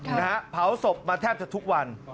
ใช่เธอพาศพมาแทบจะทุกวัน